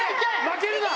負けるな！